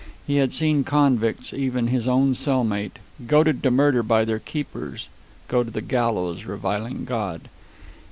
He had seen convicts, even his own cell mate, goaded to murder by their keepers, go to the gallows reviling God.